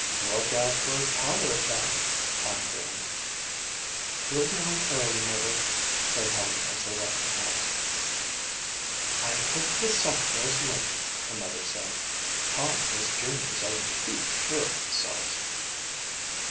"Look out for a counter attack," Tom grinned. "We'll be home early, mother," said Helen as they left the house. "I hope the sophomores win," her mother said. "Tom and his juniors are too sure of themselves."